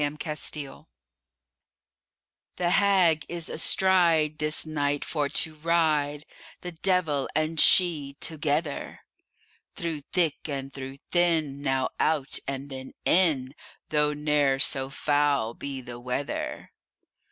THE HAG The Hag is astride, This night for to ride, The devil and she together; Through thick and through thin, Now out, and then in, Though ne'er so foul be the weather.